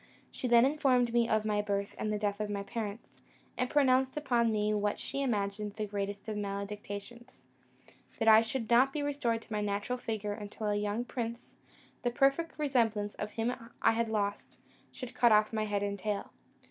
She then informed me of my birth and the death of my parents, and pronounced upon me what she imagined the greatest of maledictions; that I should not be restored to my natural figure until a young prince, the perfect resemblance of him I had lost, should cut off my head and tail.